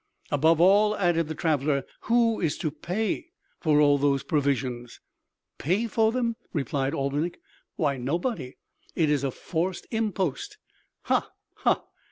"Above all," added the traveler, "who is to pay for all those provisions?" "Pay for them!" replied Albinik. "Why, nobody. It is a forced impost." "Ha! Ha!"